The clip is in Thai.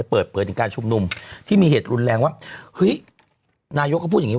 เปิดเผยถึงการชุมนุมที่มีเหตุรุนแรงว่าเฮ้ยนายกก็พูดอย่างนี้